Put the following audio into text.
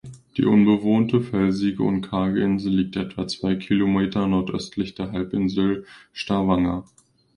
Die unbewohnte felsige und karge Insel liegt etwa zwei Kilometer nordöstlich der Halbinsel Stavanger.